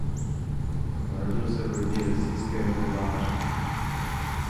Narodil se v rodině vesnického kováře.